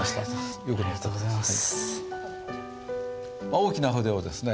大きな筆をですね